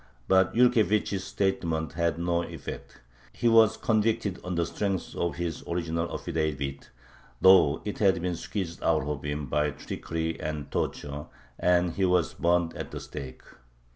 But Yurkevich's statement had no effect. He was convicted on the strength of his original affidavit, though it had been squeezed out of him by trickery and torture, and he was burned at the stake.